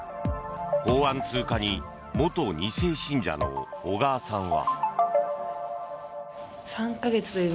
法案通過に元２世信者の小川さんは。